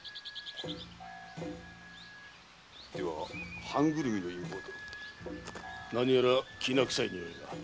では藩ぐるみの陰謀と？何やらきな臭い匂いが。